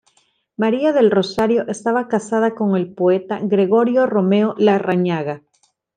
María del Rosario estaba casada con el poeta Gregorio Romero Larrañaga.